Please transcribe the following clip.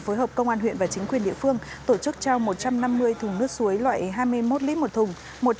phối hợp công an huyện và chính quyền địa phương tổ chức trao một trăm năm mươi thùng nước suối loại hai mươi một lít một thùng